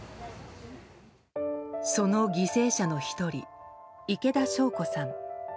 その犠牲者の１人、池田晶子さん。